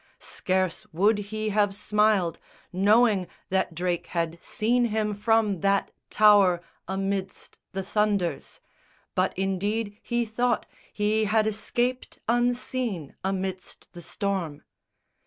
Scarce would he have smiled Knowing that Drake had seen him from that tower Amidst the thunders; but, indeed, he thought He had escaped unseen amidst the storm.